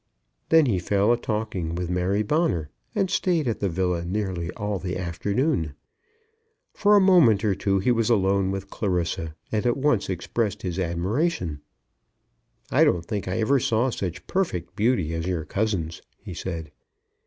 Then he fell a talking with Mary Bonner, and stayed at the villa nearly all the afternoon. For a moment or two he was alone with Clarissa, and at once expressed his admiration. "I don't think I ever saw such perfect beauty as your cousin's," he said.